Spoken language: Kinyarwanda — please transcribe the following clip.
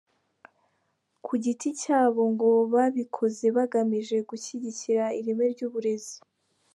Ku giti cyabo ngo babikoze bagamije gushyigikira ireme ry’uburezi.